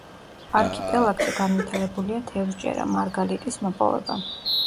არქიპელაგზე განვითარებულია თევზჭერა, მარგალიტის მოპოვება.